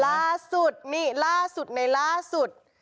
ล่าสุดนี่ล่าสุดในล่าสุด